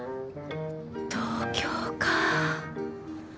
東京か。